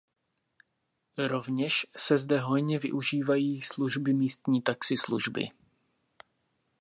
Rovněž se zde hojně využívají služby místní taxislužby.